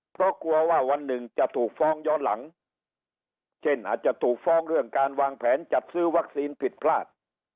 เพราะกลัวว่าวันหนึ่งจะถูกฟ้องย้อนหลังเช่นอาจจะถูกฟ้องเรื่องการวางแผนจัดซื้อวัคซีนผิดพลาด